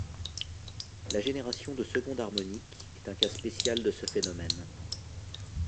La génération de seconde harmonique est un cas spécial de ce phénomène.